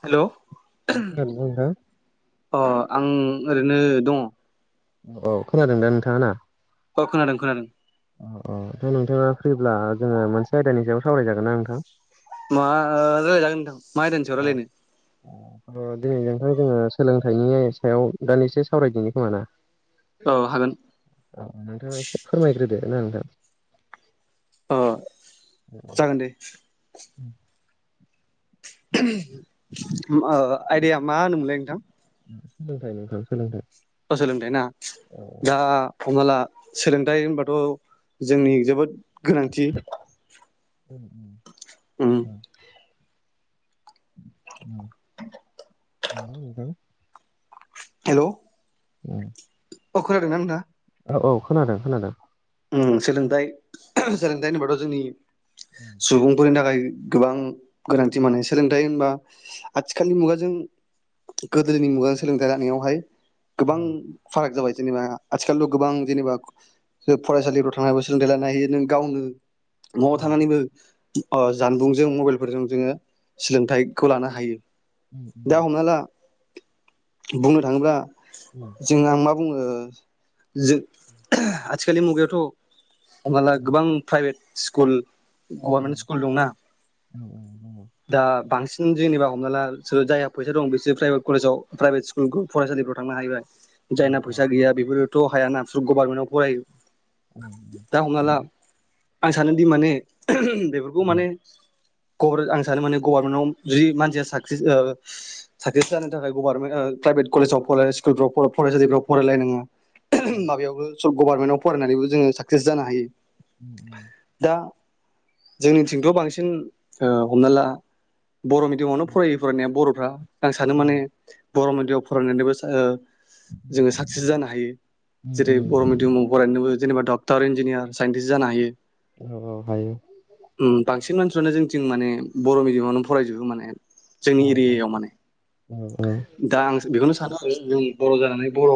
हेल' खोनादोंना नोंथां? अ आं ओरैनो दङ औ खोनादों दा नोंथाङा ना अ खोनादों खोनादों अ अ दा नोंथाङा फ्रिब्ला जोङो मोनसे आयदानि सायाव सावरायजागोन ना नोंथां। मा रायलायजागोन नोथां दिनैजों जोङो सोलोंथाइनि सायाव दानि एसे सावरायदिनि खोमा ना। औ हागोन औ नोंथाङा एसे फोरमायग्रोदो ना नोंथां। अ जागोन दे आयदाया मा होनोमोनलाय नोंथां? सोलोंथाइ नोंथां सोलोंथाइ सोलोंथाइ ना औ दा हमला सोलोंथायाइ होनबाथ' जोंनि जोबोद गोनांथि उम औ नोंथां हेल' औ अ खोनादों ना नोंथा? औ औ खोनादों खोनादों ओम सोलोंथाइ सोलोंथाइ होनोबाथ' जोंनि सुबुंफोरनि थाखाय गोबां गोनांथि माने सोलोंथाइ होनबा आथिखालनि मुगाजों गोदोनि मुगायाव सोलोंथाइ लानायावहाय औ गोबां फाराग जाबाय जेनेबा आथिखालावथ' गोबां जेनेबा फरायसालिफ्राव थांनानैबो सोलोंथाइ लानो हायो नों गावनो न'आव थानानैबो ओ जानबुंजों मबाइलफोरजोंबो जोङो सोलोंथाइखौ लानो हायो औ । दा हमना ला बुंनो थाङोब्ला जों आं मा बुङो जो [unintelligible] आथिखालनि मुगायावथ हमनाला गोबां प्राइभेट स्कुल गभारमेन्ट स्कुल दंना औ दा बांसिन जेनेबा हमनाला हो जायहा फैसा दं बिसोर प्राइभेट कलेजाव प्राइभेट स्कुल फरायसालिफ्राव थांनो हाहैबाय जायना फैसा गैया बेफोरथ' हायाना गभारनमेन्टाव फरायो दा हमनाला आं सानोदि माने बेफोरखौ माने गभार आं सानो माने गभारमेन्टाव जि मानसिया साक्सेस साकसेस जानो थाखाय गभार्नमेन्ट प्राइभेट कलेजाव [unintelligible] स्कुलफ्राव फरायसालिफ्राव फरायलाय नोङो [unintelligible] माबायावनो गभारनमेन्टआव फरायनानैबो जोङो साक्सेस जानो हायो दा [inaudible] जोंनिथिंथ' बांसिन ओ हमना ला बर' मिडियामावनो औ फरायो फरायनाया बर' आं सानो माने उम बर' मिडियामाव फरायनानैबो सा ओ जोङो साक्सेस जानो हायो उम उम जेरै बर' मिडियामाव बो जेनेबा डक्टर, इन्जनियार, साइन्टिस्ट जानो हायो अ हायो बांसिन मानसिफ्रानो जोंथिं माने बर' मिडियामावनो फरायजोबो माने औ जोंनि एरियायाव औ माने औ औ दा आं बेखौनो सानो जों बर' जानानै बर'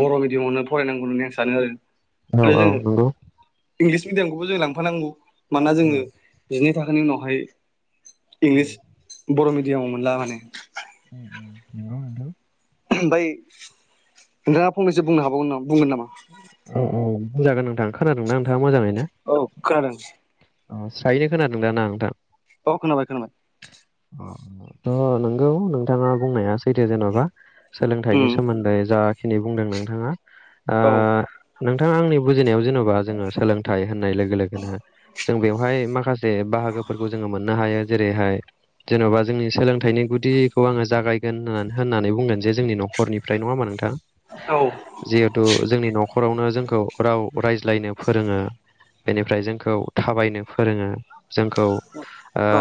बर' मिडियामावनो फरायनांगौ होननानै आं सानो आरो औ आरो औ जोङो नंगौ इंलिस मिडियामखौबो जों लांफानांगौ मानोना जोङो उम जिनै थाखोनि उनावहाय इंलिस बर' मिडियामाव मोनला माने [unintelligible] ओमफाय नोंथाङा फंनैसो बुंनो हाबावगोन नामा? बुंगोन औ औ जागोन नोंथां खोनादोंना नोंथाङा मोजाङैनो? औ खोनादों अ स्रायैनो खोनादों दा ना नोंथां? अ खोनाबाय खोनाबाय अ नोंगौ नोंथाङा बुंनाया सैथो जेन'बा सोलोंथाइनि उम सोमोन्दै जा खिनि बुंदों नोंथाङा ओ औ नोंथाङा आंनि बुजिनायाव जेन'बा जोङो सोलोंथाइ होननाय लोगो लोगोनो जों बेवहाय माखासे बाहागोफोरखौ जोङो मोननो हायो जेरैहाय जेन'बा जोंनि सोलों थायनि गुदिखौ आङो जागायगोन होन होननानै बुंगोन जे जोंनि न'खरनिफ्राय नङा होमबा नोंथां? औ जिहेथु जोंनि न'खरावनो जोंखौ राव रायज्लायनो फोरोङो बेनिफ्राय जोंखौ थाबायनो फोरोङो जोंखौ ओ औ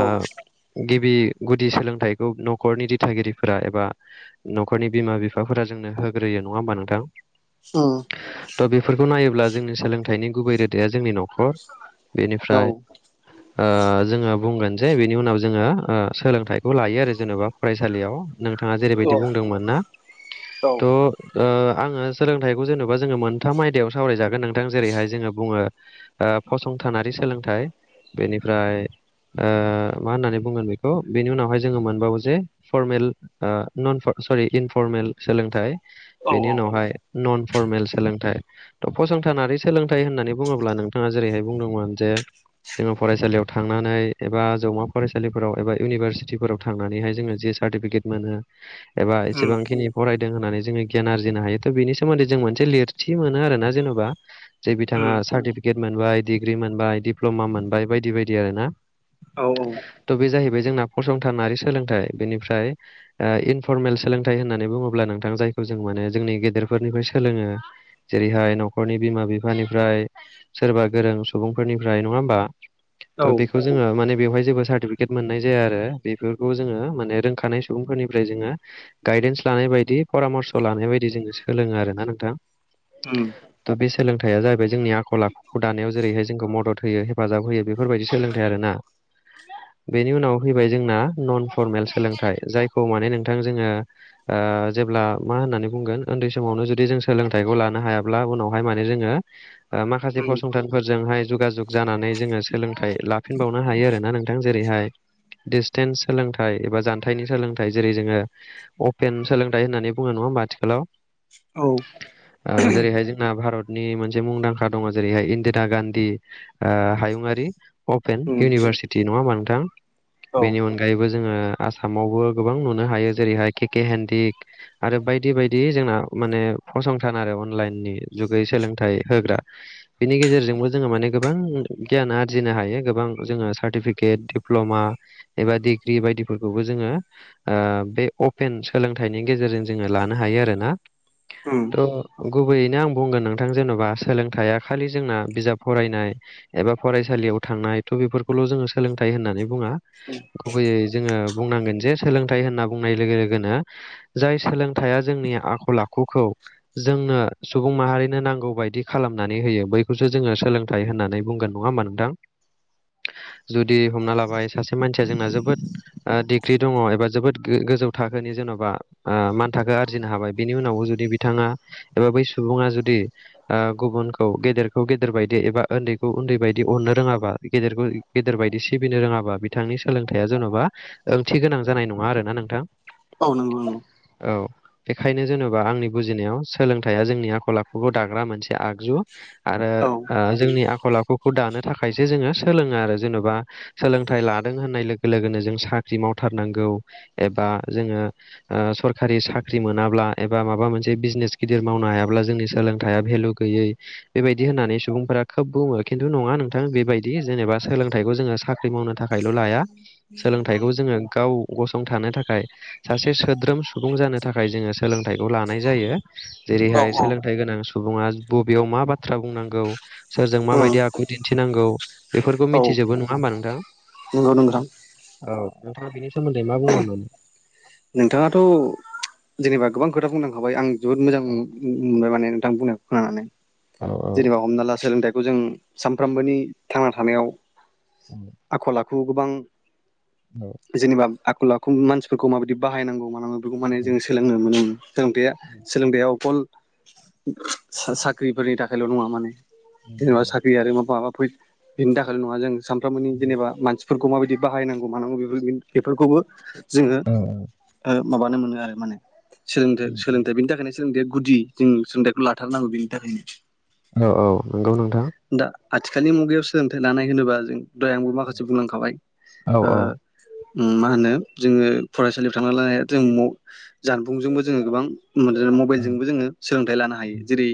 गि बि गुदि सोलोंथाइखौ न'खरनि दिथागिरिफोरा एबा न'खरनि बिमा-बिफाफोरा जोंनो हो ग्रोयो नङा होमबा नोंथां? होम त' बेफोरखौ नायोब्ला जोंनि सोलोंथाइनि गुबै रोदाया जोंनि न'खर औ बेनिफ्राय ओ जोङो बुंगोन जे बिनि उनाव जोङो ओ सोलोंथाइखौ लायो आरो जेन'बा फरायसालियाव नोंथाङा जेरैबायदि बुंदोंमोन ना त ओ आङो सोलोंथाइखौ जेन'बा जोङो मोनथाम आयदायाव सावरायजागोन नोंथां जेरैहाय जोङो बुङो फसंथानारि सोलोंथायाइ बेनिफ्राय मा होननानै बुंगोन बेखौ बेनि उनावहाय जोङो मोनबावो जे फरमेल नन फर सरि इनफरमेल सोलोंथाइ औ बेनि औ उनावहाय नन फरमेल सोलोंथाइ थ' फसंथानारि सोलोंथाइ होननानै बुङोब्ला नोंथाङा जेरैहाय बुंदोंमोन जे जोङो फरायसालियाव थांनानै एबा जौमा फरायसालिफोराव एबा इउनिभारसिटिफोराव थांनानैहाय जोङो जे सारटिपिकेट मोनो एबा उम एसेबांनि फराय होननानै जोङो गियान आरजिनो हायो थ बेनि सोमोन्दै जों मोनसे लिरथि मोनो आरोना जेन'बा जे बिथाङा उम सार्टिफिकेट मोनबाय डिग्रि मोनबाय दिडप्ल'मा मोनबाय बायदि बायदि आरो ना औ थ बे जाहैबाय जोंना फसंथानारि सोलोंथाइ बेनिफ्राय इनफर्मेल सोलोंथाइ होननानै बुङोब्ला नोंथां जायखौ जों मोंनो जोंनि गेदेरफोरनिफ्राय सोलोङो जेरैहाय न'खरनि बिमा बिफानिफ्राय सोरबा गोरों सुबुंफोरनिफ्राय नङा होमबा थह औ बेखौ जोङो माने बेवहाय जेबो सार्टिफिकेट मोननाय जाया आरो बेफोरखौ जोङो माने रोंखानाय सुबुंफोरनिफ्राय जोङो गाइड गायदेन्स लानाय बायदि परामर्स' लानाय बायदि जोङो सोलोङो आरोना नोंथां हम थ' बे सोलोंथाइया जाहैबाय जोंनि आखल आखु दानायाव जेरैहाय जोंखौ मदद होयो हेफाजाब होयो बेफोरबायदि सोलोंथाइ आर ना बेनि उनाव फैबाय जोंना नन फरमेल सोलोंथाइ जायखौ माने नोंथां जोङो जेब्ला मा होननानै बुंगोन उन्दै समावनो जुदि जों सोलोंथाइखौ लानो हायाब्ला उनावहाय माने जोङो माखासे उम फसंथानफोरजोंहाय जगाजुग जानानै जोङो सोलोंथाइ लाफिनबावनो हायो आरो ना नों जेरैहाय दिसटेन्स सोलोंथाइ एबा जानथायाइनि सोलोंथाइ जेरै जोङो अपेन सोलोंथाइ होननानै बुङो न औ आथिखालाव जेरैहाय जोंना भारतनि मोनसे मुंदांखा दङ जेरैहाय इन्दिरा गान्धी हायुङारि अपेन उम इउनिभारसिटि नङा होमबा नोंथां औ बेनि अनगायैबो जोङो आसामावबो गोबां नुनो हायो जेरैहाय केके हन्डक आरो बायदि बायदि जोंना माने फसंथान आरो अनलाइननि जुगै सोलोंथाइ होग्रा। बिनि गेजेरजोंबो जोङो माने गोबां गियाना आरजिनो हायो गोबां जोङो सार्टिफिकेट दिडप्ल'मा एबा डिग्रि बायदिफोरखौबो जोङो बे अपेन सोलोंथाइनि गेजेरजों जोङो लानो हायो आरोना उम थ' गुबैयैनो आं बुंगोन नोंथां जेन'बा सोलोंथाइै खालि जोंना बिजाब फरायनाय एबा फरायसालियाव थांनाय थ' बेफोरखौल' जोङो सोलोंथाइ होननानै बुङा गुबैयै जोङो बुंनांगोन जे सोलोंथाइ होनना बुंनाय लोगो लोगोनो जाय सोलोंथाइया जोंनि आखल आखुखौ जोंनो सुबुं माहारिनो नांगौ बायदि बिदि खालामनानै जोंनानै नोंथ हमना लाबाय सासे मानसिया जोंना जोबोद फाख्रि दङ एबा जोबोद गोजौ थाखोनि जेन'बा मान थाखो आरजिनो हाबाय बेनि उनावबो जुदि बिथाङा बा बै सुबुा जुदि गुबुन गेदेरखौ गेदेर बायदि एबा उन्दैखौ उन्दै बायदि अननो रोङाबा गेेरखौ गेदेर बायदि सिबिनो रोङाबा बा बिथांनि सोलोंथाइया जेन'बा ओंथि गोनां जानाय नङा आरो ना नोंथां औ नंगौ‌ औ औ बेखायनो जेनेबा आंनि बुजिनायाव सोलोंथाइया जोंनि आखल आखुखौ दाग्रा मोनसे आगजु औ आरो जोंनि आखल आखुखौ दानो थाखायसो जोङो सोलोङो आरो जेन'बा सोलोंथाइ लादों होननाय लोगो लोगोनो जों साख्रि मावथारनांगौ एबा जोङो सरखारि साख्रि मोनाब्ला एबा माबा मोनसे मोनसे बिजनेस गिदिर मावनो हायाब्ला जोंनि सोलोंथाइया भेलु गैयै बेबायदि होननानै सुबुंफोरा खोब बुङो खिन्थु नङा नोंथां बेबायदि जेनेबा सोलोंथाइखौ जोङो साखा साख्रि मावनो थाखायल' लाया उम सोलोंथाइखौ जोङो गाव गसंथानो थाखाय सासे सोद्रोम सुबुं जानो थाखाय जोङो सोलों थाय जायो औ जेरैहाय उम औ सोलोंथ गोनां सुबुंआबो बेयाव मा बाथ्रा बुंनांगौ सोरजों माबायदि आखु दिन्थिनांगौ बेफोरखौ मिथिजोबो नङा होमबा नोंथां नंगौ नंगौ नोंथां औ नोंथाङा बेनि सोमोन्दै मा बुंगोन माने नोंथाङाथ' जेनबा गोबां खोथा बुंलांखाबाय आं जोबोद मोजां औ मोनबाय माने नोंथां बुंनाय खोनानानै औ जेनेबा हमना ला सोलोंथाइखौ जों सानफ्रामबोनि थांना थानायाव आखल आखु गोबां जेनेबा आखल आखु मानसिफोरखौ माबायदि बाहायनांगौ मानांगौ बेखौ माने जोङो सोलोंनो मोनो। सोलोंथाय सोलोंथाया अकल साख्रिफोरनि थाखायल' नङा माने जेनेबा साख्रि आरो माबा माबा फै बेनि थाखायल' नङा जों सानफ्रोमबोनि जेनेबा मानसि फोरखौ माबायदि बाहायनांगौ मानांगौ बे बेफोरखौबो जोङो माबानो मोनो आरो माने सोलोंथ सोलोंथाइ बेनि थाखायनो सोलोंथाइया गुदि जों सोलोंथाइखौ लाथारनांगौ बेनि थाखायनो औ औ नंगौ नोंथां दा आथिखालनि मुगायाव सोलोंथाइ लानाय होनोबा जों दहाय आंबो माखासे बुंलांखाबाय औ ओ औ मा होनो जोङो फरायसालियाव थांना लानाय जों जानबुंजोंबो जोङो गोबां मबाइलजोंबो जोङो सोलोंथाइ लानो हायो जेरै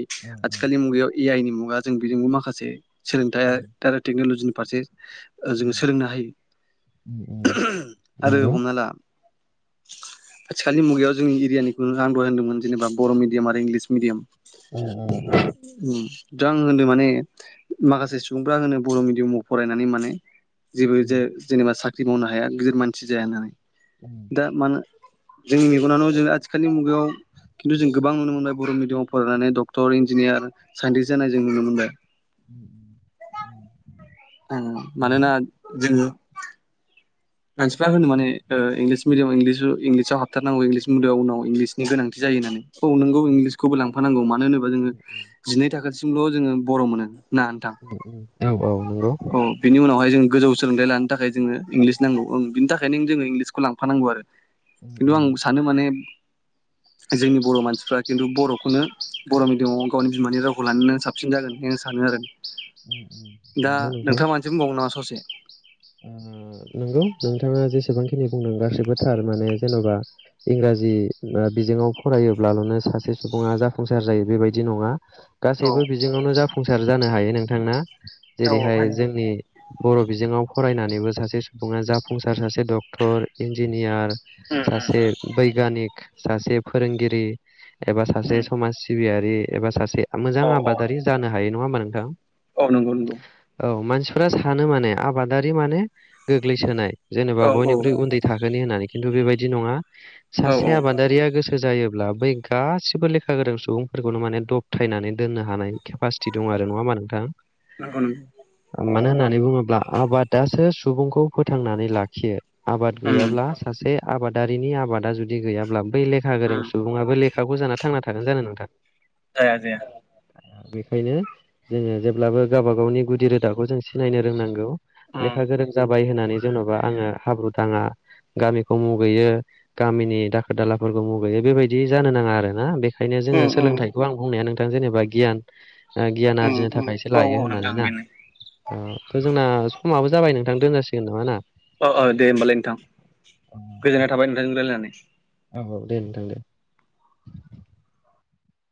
आथिखालनि मुगायाव ए आइ नि मुगा जों बेजोंबो माखासे सोलोंथाइ आरो टेक्न'ल'जिनि फारसे जोङो सोलोंनो हायो आरो नंगौ हमना ला इ आथिखालनि मुगायाव जोंनि एरियानिखौ आन्दल होनदोंमोन जेनेबा बर' मिडियाम आरो इंलिस मिडियाम उम आं होनो माने माखासे सुबुंफ्रा आं होनो बर' मिडियामाव फरायनानै माने जेबो ज जेनेबा साख्रि मावनो हाया गिदिर मानसि जाया होननानै दा मानो जोंनि मेगनानोनो जों आथिखालनि मुगायाव खिन्थु जों गोबां नुनो मोनबाय बर' मिडियामाव फरायनानै डक्टर इन्जिनियार साइन्टिस्ट जानाय जों नुनो मोनबाय। उम मानोना जोङो मानसिफ्रा होनो माने इंलिस मिडियाम इंलिस इंलिसाव हाबथारनौ इंलिस मिडिाम उनाव इंलिसनि गोनांथि जायो होननानै औ नोंगौ इंलिसखौबो लांफानांगौ मानो होनोबा जोङो उम उम जिनै थाखासिमल' जोङो बर' मोनो। ना नोंथां उम उम औ औ नंगौ औ बिनि उनावहाय जों गोजौ सोलोंथाइ लानो थाखाय जोङो इंलिस नांगौ ओ बिनि थाखायनो जोङो इंलिसखौ लांफानांगौ आरो। उम खिन्थु आं उम सानो माने [inaudible] जोंनि बर' मानसिफ्रा खिन्थु बर'खौनो बर' मिडियामाव गावनि बिमानि रावखौ लानानै साबसिन जागोन होननानै आं सानो उम उम आरो दा नंगौ नोंथां नोंथाङ माबा मोनसे ससे बुंबाव नामा ससे नंगौ नोंथाङा जेसेबांखिनि बुंदों गासिबोथार माने जेन'बा इंराजि बिजोंआव फरायोब्लाल'नो सासे सुबुङा जाफुंसार जायो। बेबायदि नङा औ गासैबो बिजोङावनो जाफुंसार जानो हायो नोंथां औ औ जेरैहाय हायो जोंनि बर' बिजोङाव फरायनानैबो सासे सुबुङा जाफुंसार सासे सासे डक्टर इन्जिनियार सासे बैगानिक सासे फोरोंगिरि एबा उम सासे समाज सिबियारि एबा सासे मोजां औ औ आबादारि जानो हायो नङा होमा नोंथां औ नंगौ नंगौ औ मानसिफोरा सानो माने आबादारि माने गोग्लैसोनाय जेनेबा औ औ बयनिख्रुइ उन्दै थाखोनि होननानै खिथु बेबायदि नङा औ सासे औ आबादारिया गोसो जायोब्ला बै गासिबो लेखा गोरों सुबुंफोरखौनो माने दबथायनानै दोननो हानाय केपासिटि दं आरो नङा होमबा नोंथां नंगौ नोंन मानो होननानै बुङोब्ला आबादासो सुबुंखौ फोथांनानै लाखियो आबाद उम गैयाब्ला सासे आबादारिनि आबादा जुदि गैयाब्ला बै लेखा गोरों उम सुबुङाबो लेखाखौ जाना थांना थागोन जानो नोंथां? जाया जाया बेखायनो जोङो जेब्लाबो गावबा गावनि गुदि रोदाखौ जों सिनायनो रोंनांगौ उम लेखा गोरों जाबाय होननानै जेनेबा आङो हाब्रु दाङा गामिखौ मुगैयो गामिनि दाखोर दालाफोरखौ मुगैयो बेबायदि जानो नाङा आरोना बे ओंखायनो जोङो उम उम सोलोंथाइखौ आं बुंनाया नोंथां जेनेबा गियान गियान उम आरजिनो उम थाखायसो औ लायो औ होननानै नोंथां ना बेनो ओ थ' जोंना समाबो जाबाय नोंथां दोनजसिगोन नामा ना औ औ दे होमबालाय नोंथां गोजोननाय थाबाय नोंथांजों रायलायनानै औ दे नोंथां दे